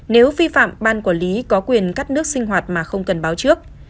nếu vi phạm ban quản lý có quyền cắt nước sinh hoạt mà không cần báo trước